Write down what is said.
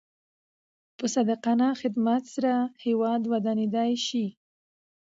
په صادقانه خدمت سره هیواد ودانېدای شي.